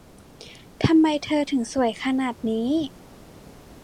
ทำไมเธอถึงสวยขนาดนี้